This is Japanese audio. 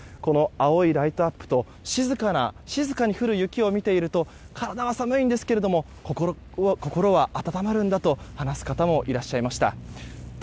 青いライトアップと静かに降る雪を見ていると体は寒いんですけれども心は温まるんだと話す方もいらっしゃいました。